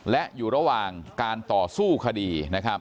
และอยู่ระหว่างการต่อสู้คดี